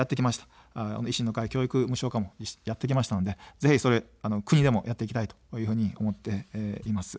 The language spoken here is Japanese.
維新の会、教育無償化もやってきたので、ぜひ国でもやっていきたいと思っています。